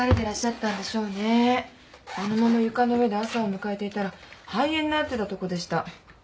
あのまま床の上で朝を迎えていたら肺炎になってたとこでした。